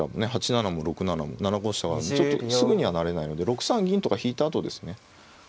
８七も６七も７五飛車があるのですぐには成れないので６三銀とか引いたあとですね。